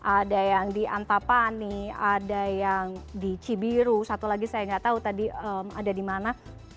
ada yang di antapani ada yang di cibiru satu lagi saya nggak tahu tadi ada di mana